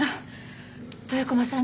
豊駒さん